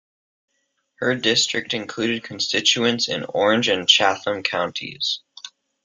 Her district included constituents in Orange and Chatham counties.